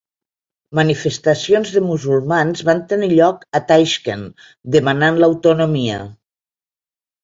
Manifestacions de musulmans van tenir lloc a Taixkent demanant l'autonomia.